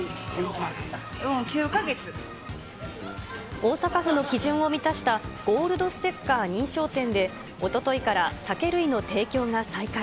大阪府の基準を満たしたゴールドステッカー認証店で、おとといから酒類の提供が再開。